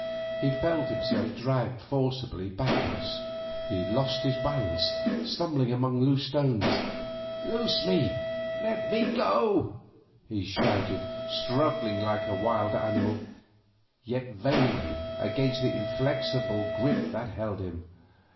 He felt himself dragged forcibly backwards. He lost his balance, stumbling among loose stones. 'Loose me! Let me go!' he shouted, struggling like a wild animal, yet vainly, against the inflexible grip that held him.